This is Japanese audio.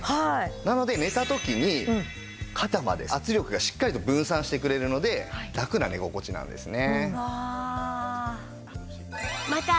なので寝た時に肩まで圧力がしっかりと分散してくれるのでラクな寝心地なんですね。